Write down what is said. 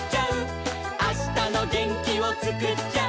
「あしたのげんきをつくっちゃう」